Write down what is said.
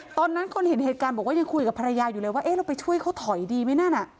ตอนนั้นคนเห็นเหตุการณ์บอกว่ายังคุยกับภรรยาอยู่เลยว่าเอ๊ะเราไปช่วยเขาถอยดีไหมนั่นน่ะ